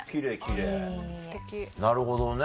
なるほどね。